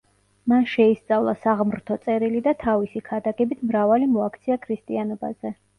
მან შეისწავლა საღმრთო წერილი და თავისი ქადაგებით მრავალი მოაქცია ქრისტიანობაზე.